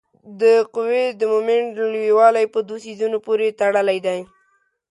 د قوې د مومنټ لویوالی په دوو څیزونو پورې تړلی دی.